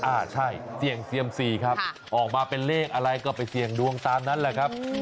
อ่าใช่เสี่ยงเซียมซีครับออกมาเป็นเลขอะไรก็ไปเสี่ยงดวงตามนั้นแหละครับ